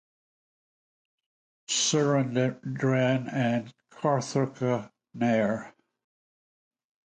Surendran and Karthika Nair.